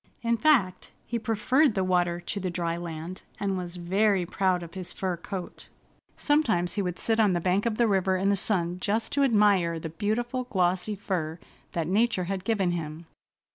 In fact, he preferred the water to the dry land, and was very proud of his fur coat. Sometimes he would sit on the bank of the river in the sun just to admire the beautiful, glossy fur that nature had given him.